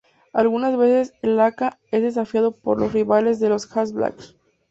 Algunas veces, el haka es desafiado por los rivales de los All Blacks.